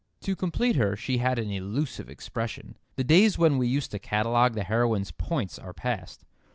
To complete her she had an "elusive expression." The days when we used to catalogue the heroine's "points" are past.